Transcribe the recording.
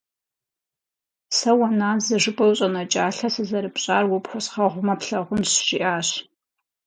«Сэ уэ назэ жыпӏэу щӏэнэкӏалъэ сызэрыпщӏар уэ пхуэзгъэгъумэ плъагъунщ», — жиӏащ.